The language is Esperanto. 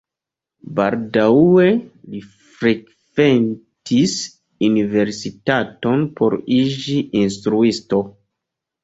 Baldaŭe li frekventis universitaton por iĝi instruisto.